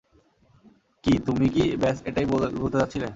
কী, তুমি কি ব্যস এটাই বলতে যাচ্ছিলে?